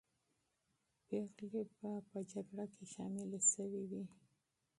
پېغلې به په جګړه کې شاملې سوې وې.